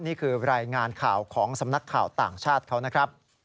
นี่คือรายงานข่าวของสำนักข่าวต่างชาติเขานะครับ